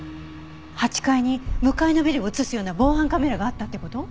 ８階に向かいのビルを映すような防犯カメラがあったって事？